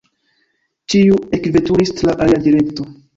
Ĉiu ekveturis tra alia direkto.